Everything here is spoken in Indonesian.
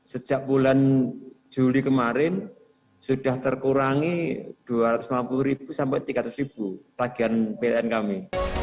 sejak bulan juli kemarin sudah terkurangi dua ratus lima puluh sampai tiga ratus tagihan pln kami